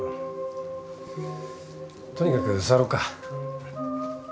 とにかく座ろっか。